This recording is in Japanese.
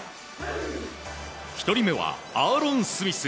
１人目は、アーロン・スミス。